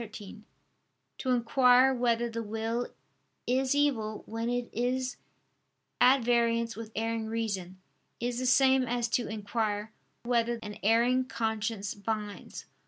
13), to inquire whether the will is evil when it is at variance with erring reason, is the same as to inquire "whether an erring conscience binds."